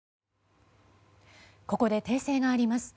ここで訂正があります。